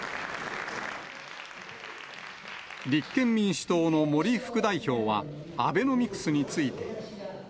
立憲民主党の森副代表は、アベノミクスについて。